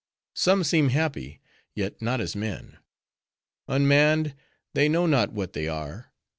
Some seem happy: yet not as men. Unmanned, they know not what they are.